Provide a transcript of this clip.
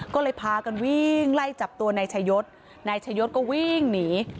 ก็เลยพากันวิ่งไล่จับตัวนายชายศนายชะยศก็วิ่งหนี